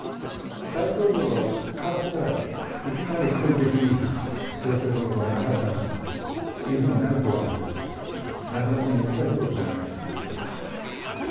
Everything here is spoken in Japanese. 大統領が替わったら、いきなり好意的に、強制労働はなかったんだというふうになるとは、なかなか難しいことじゃないですか。